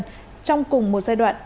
trong cùng một giai đoạn